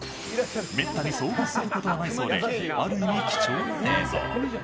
めったに遭遇することはないそうで、ある意味貴重な映像。